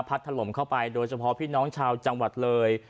ถล่มเข้าไปโดยเฉพาะพี่น้องชาวจังหวัดเลย